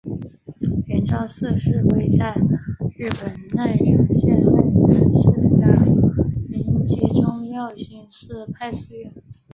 圆照寺是位在日本奈良县奈良市的临济宗妙心寺派寺院。